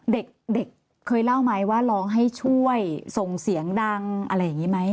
เด็กเคยเล่าไหมว่าร้องให้ช่วยส่งเสียงดังอะไรอย่างนี้ไหม